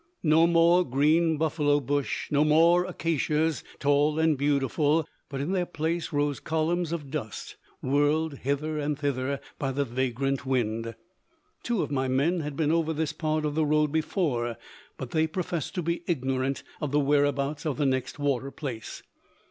No more green buffalo bush, no more acacias, tall and beautiful, but in their place rose columns of dust, whirled hither and thither by the vagrant wind. Two of my men had been over this part of the road before, but they professed to be ignorant of the whereabouts of the next water place.